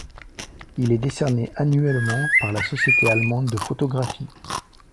Il est décerné annuellement par la Société allemande de photographie.